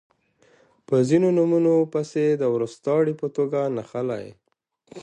په ځینو نومونو پسې د وروستاړي په توګه نښلی